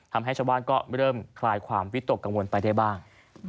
ทำให้ชาวบ้านก็เริ่มคลายความวิตกกังวลไปได้บ้าง